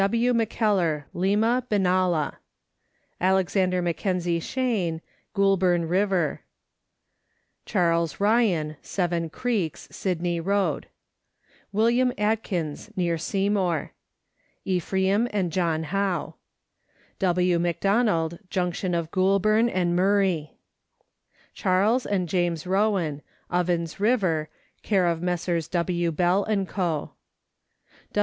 W. McKellar, Lima, Benalla Alex. Mackenzie Cheyne, Goulburn River Charles Ryan, Seven Creeks, Sydney Road Willm. Atkins, near Seymour Ephraim and John Howe W. McDonald, Junction of Goulburn and Murray Charles and James Rowan, Ovens River, care of Messrs. W. Bell and Co.